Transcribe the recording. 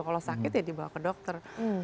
kalau sakit ya dibawa ke dokter